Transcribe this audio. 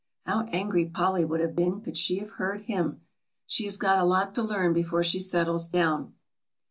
(How angry Polly would have been could she have heard him!) "She has got a lot to learn before she settles down."